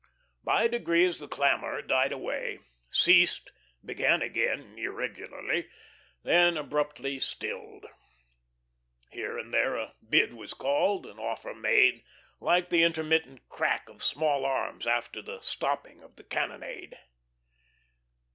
By degrees the clamour died away, ceased, began again irregularly, then abruptly stilled. Here and there a bid was called, an offer made, like the intermittent crack of small arms after the stopping of the cannonade.